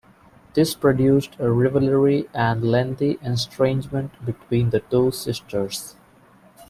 This produced a rivalry and lengthy estrangement between the two sisters.